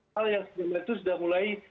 hal yang sebenarnya itu sudah mulai